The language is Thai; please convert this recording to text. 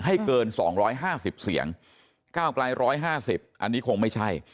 ให้เกินสองร้อยห้าสิบเสียงก้าวกลายร้อยห้าสิบอันนี้คงไม่ใช่